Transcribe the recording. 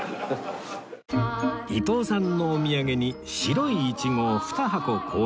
伊東さんのお土産に白いイチゴを２箱購入